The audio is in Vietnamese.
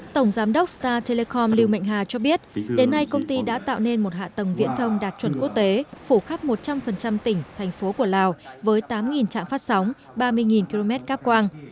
tổng giám đốc star telecom lưu mệnh hà cho biết đến nay công ty đã tạo nên một hạ tầng viễn thông đạt chuẩn quốc tế phủ khắp một trăm linh tỉnh thành phố của lào với tám trạm phát sóng ba mươi km cáp quang